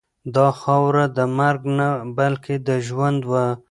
دا خاوره د مرګ نه بلکې د ژوند وه.